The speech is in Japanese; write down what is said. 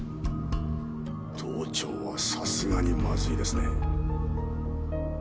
盗聴はさすがにまずいですね。